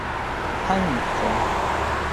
潘雨桐。